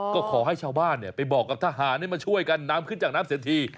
ก็ขอให้ชาวบ้านไปบอกกับทหารให้มาช่วยกันนำขึ้นจากน้ำเสียที